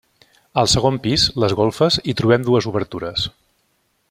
Al segon pis, les golfes, hi trobem dues obertures.